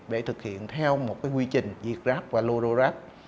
để thực hiện theo một quy trình việt gáp và lobo gáp